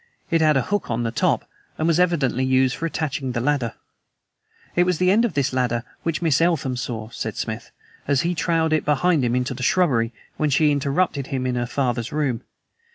It had a hook on the top, and was evidently used for attaching the ladder. "It was the end of this ladder which Miss Eltham saw," said Smith, "as he trailed it behind him into the shrubbery when she interrupted him in her fathers room.